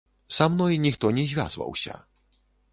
Са мной ніхто не звязваўся.